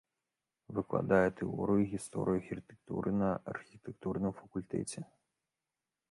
Выкладае тэорыю і гісторыю архітэктуры на архітэктурным факультэце.